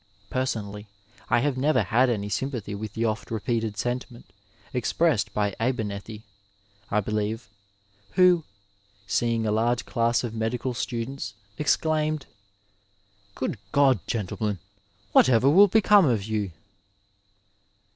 Personally, I have never had any sympathy with the oft repeated sentiment ex pressed originally by Abemethy, I believe, who, seeing a large class of medical students, exclaimed, *'6ood God, gentlemen ! whatever will become of you